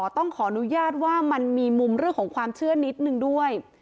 ต้องขออนุญาตว่ามันมีมุมเรื่องของความเชื่อนิดนึงด้วย